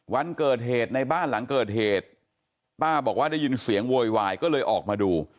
วันเกิดเหตุในบ้านหลังเกิดเหตุป้าบอกว่าได้ยินเสียงโวยวายก็เลยออกมาดู